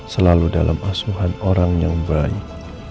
selalu dalam asuhan orang yang baik